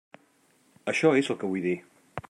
Això és el que vull dir.